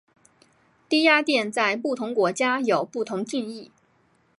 低压电在不同国家有不同定义。